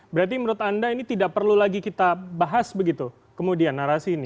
berarti menurut anda ini tidak perlu lagi kita bahas begitu kemudian narasi ini